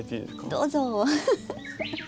どうぞ！